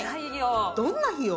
どんな日よ